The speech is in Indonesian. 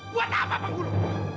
buat apa penghulu